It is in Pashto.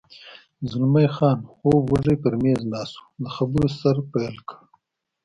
زلمی خان خوب وږی پر مېز ناست و، د خبرو سر پیل کړ.